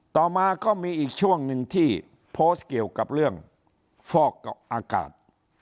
ต่อมาก็มีอีกช่วงหนึ่งที่โพสต์เกี่ยวกับเรื่องฟอกอากาศ